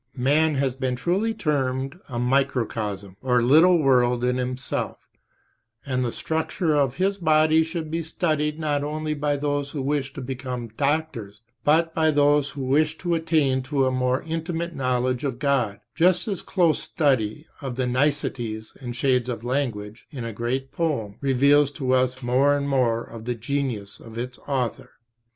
{p. 31} Man has been truly termed a "microcosm," or little world in himself, and the structure of his body should be studied not only by those who wish to become doctors, but by those who wish to attain to a more intimate knowledge of God, just as close study of the niceties and shades of language in a great poem reveals to us more and more of the genius of its author.